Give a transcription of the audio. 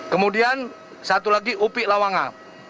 kemudian satu lagi upi lawanga